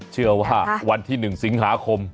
เชื่อว่าวันที่๑สิงหาคม